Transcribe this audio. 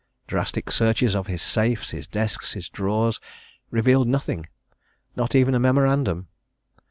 Drastic search of his safes, his desks, his drawers revealed nothing not even a memorandum.